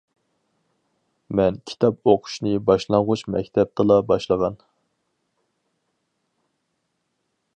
مەن كىتاب ئوقۇشنى باشلانغۇچ مەكتەپتىلا باشلىغان.